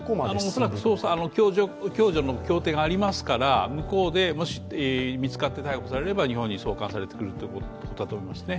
恐らく共助の協定がありますから向こうで見つかって逮捕されれば日本に送還されてくることになりますね。